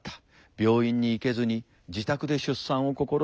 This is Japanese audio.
病院に行けずに自宅で出産を試みる。